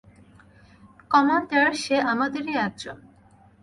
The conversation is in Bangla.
কমান্ডার, সে আমাদেরই একজন।